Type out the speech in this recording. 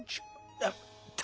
やった！